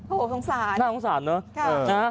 โอ้โหสงสารน่าสงสารเนอะ